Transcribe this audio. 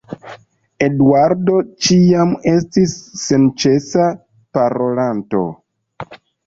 Eduardo ĉiam estis senĉesa parolanto.